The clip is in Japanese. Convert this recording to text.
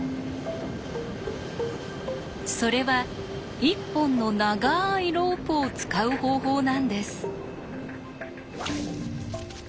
それは１本の長いロープを使う方法なんです。